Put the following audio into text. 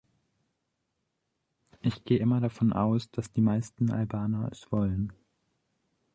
Ich gehe immer davon aus, dass die meisten Albaner es wollen.